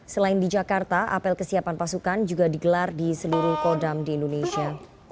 selain di jakarta apel kesiapan pasukan juga digelar di seluruh kodam di indonesia